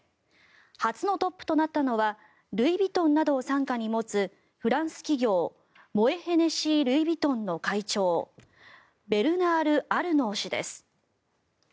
初のトップとなったのはルイ・ヴィトンなどを傘下に持つフランス企業、モエ・ヘネシー・ルイ・ヴィトンの会長ベルナール・アルノー氏です。